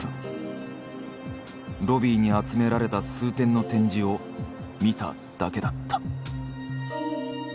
ロビーに集められた数点の展示を見ただけだった。